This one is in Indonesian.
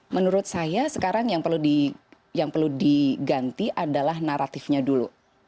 menurut saya sekarang yang perlu diganti adalah naratifnya dulu